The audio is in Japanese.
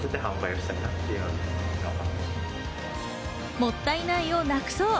もったいないをなくそう。